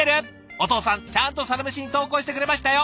お父さんちゃんと「サラメシ」に投稿してくれましたよ。